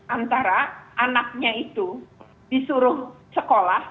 antara anaknya itu disuruh sekolah